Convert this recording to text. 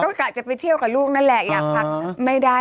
ก็กะจะไปเที่ยวกับลูกนั่นแหละอยากพักไม่ได้